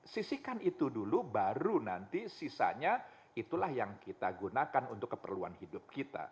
sisikan itu dulu baru nanti sisanya itulah yang kita gunakan untuk keperluan hidup kita